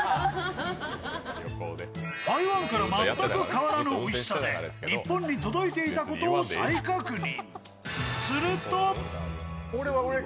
台湾から全く変わらぬおいしさで日本に届いていたことを再確認。